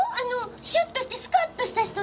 シュッとしてスカッとした人ね。